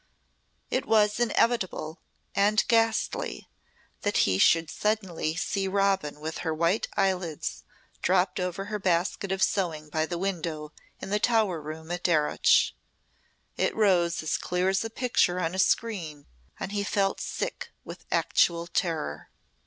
It was inevitable and ghastly that he should suddenly see Robin with her white eyelids dropped over her basket of sewing by the window in the Tower room at Darreuch. It rose as clear as a picture on a screen and he felt sick with actual terror.